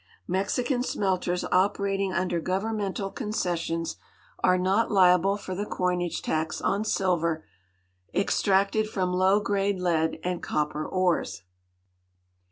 Mexican smelters operating under governmental concessions are not liable for the coinage tax on silver extracted from low grade lead and copper ores.